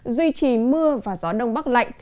duy trì mưa và gió đông bắc lạnh